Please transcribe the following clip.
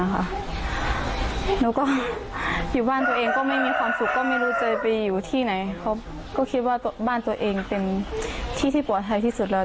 เขาก็คิดว่าบ้านตัวเองเป็นที่ที่ปลอดภัยที่สุดแล้ว